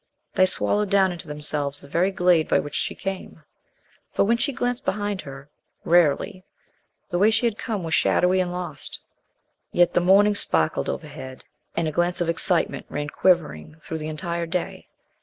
They swallowed down into themselves the very glade by which she came. For when she glanced behind her rarely the way she had come was shadowy and lost. Yet the morning sparkled overhead, and a glance of excitement ran quivering through the entire day.